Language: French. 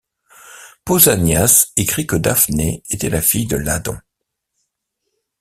Pausanias écrit que Daphné était la fille de Ladon.